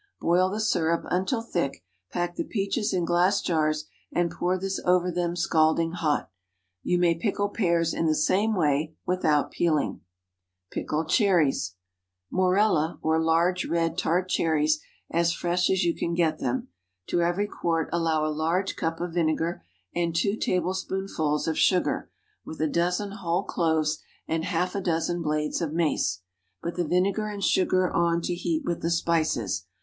Boil the syrup until thick, pack the peaches in glass jars, and pour this over them scalding hot. You may pickle pears in the same way without peeling. PICKLED CHERRIES. ✠ Morella, or large red tart cherries, as fresh as you can get them. To every quart allow a large cup of vinegar and two tablespoonfuls of sugar, with a dozen whole cloves and half a dozen blades of mace. Put the vinegar and sugar on to heat with the spices.